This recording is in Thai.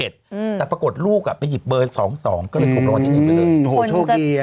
แต่ปรากฏลูกอ่ะไปหยิบเบอร์๒๒ก็เลยถูกรอบที่นึงไปเลย